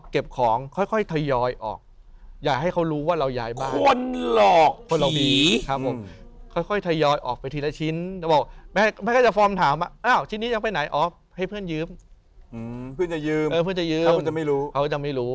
เขาก็จะไม่รู้